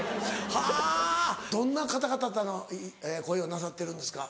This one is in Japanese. はぁどんな方々の声をなさってるんですか？